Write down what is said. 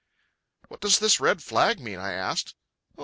"What does this red flag mean?" I asked.